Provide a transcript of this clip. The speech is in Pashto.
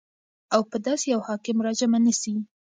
او په داسي يو حاكم راجمع نسي